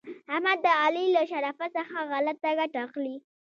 احمد د علي له شرافت څخه غلته ګټه اخلي.